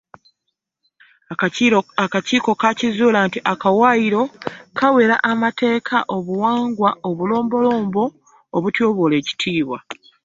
Akakiiko kaakizuula nti Akawaayiro kawera amateeka, obuwangwa n’obulombolombo obutyoboola ekitiibwa.